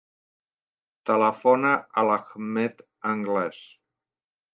Telefona a l'Ahmed Angles.